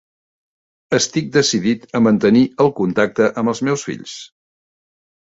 Estic decidit a mantenir el contacte amb els meus fills.